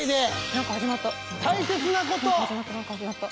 何か始まった何か始まった。